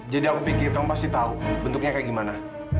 jadi aku pikir kamu pasti tahu bentuknya kayak gimana